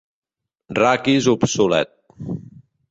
Raquis obsolet.